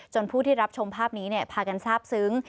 ผู้ที่รับชมภาพนี้พากันทราบซึ้ง